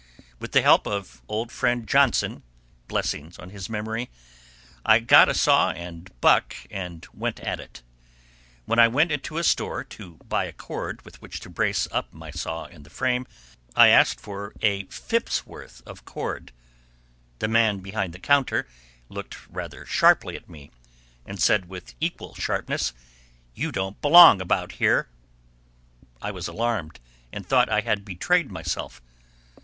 With the help of old Friend Johnson (blessings on his memory) I got a saw and "buck," and went at it. When I went into a store to buy a cord with which to brace up my saw in the frame, I asked for a "fip's" worth of cord. The man behind the counter looked rather sharply at me, and said with equal sharpness, "You don't belong about here." I was alarmed, and thought I had betrayed myself.